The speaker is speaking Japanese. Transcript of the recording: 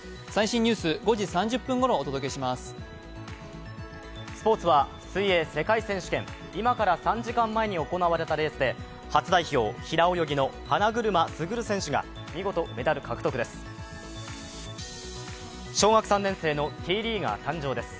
スポーツは、水泳世界選手権今から３時間前に行われたレースで初代表、平泳ぎの花車優選手が見事メダル獲得です。